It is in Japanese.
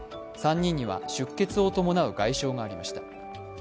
３人には出血を伴う外傷がありました。